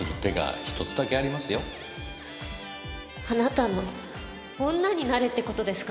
あなたの女になれって事ですか？